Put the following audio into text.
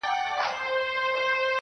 قاتل ژوندی دی، مړ یې وجدان دی,